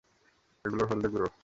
এগুলো হলদে গুড়ো।